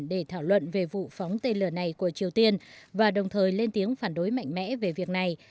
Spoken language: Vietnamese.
để thảo luận về vụ phóng tên lửa này của triều tiên và đồng thời lên tiếng phản đối mạnh mẽ về việc này